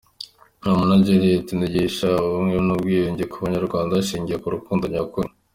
Romeo na Juliet inigisha ubumwe n’ubwiyunge ku banyarwanda hashingiwe ku rukundo nyakuri.